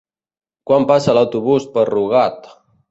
Quan passa l'autobús per Rugat?